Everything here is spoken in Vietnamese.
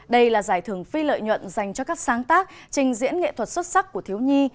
đây là giải thưởng phi lợi nhuận dành cho các sáng tác trình diễn nghệ thuật xuất sắc của thiếu nhi